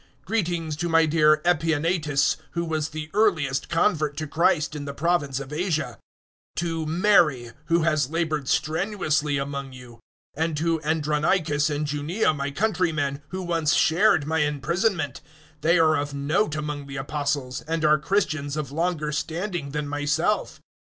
Greetings to my dear Epaenetus, who was the earliest convert to Christ in the province of Asia; 016:006 to Mary who has laboured strenuously among you; 016:007 and to Andronicus and Junia, my countrymen, who once shared my imprisonment. They are of note among the Apostles, and are Christians of longer standing than myself.